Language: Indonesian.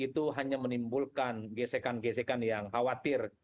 itu hanya menimbulkan gesekan gesekan yang khawatir